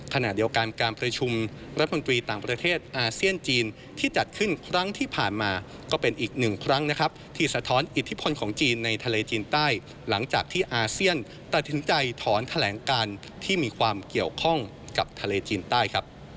ขณะเดียวกันการประชุมรัฐมนตรีต่างประเทศอาเซียนจีนที่จัดขึ้นครั้งที่ผ่านมาก็เป็นอีกหนึ่งครั้งนะครับที่สะท้อนอิทธิพลของจีนในทะเลจีนใต้หลังจากที่อาเซียนตัดสินใจถอนแถลงการที่มีความเกี่ยวข้องกับทะเลจีนใต้ครับ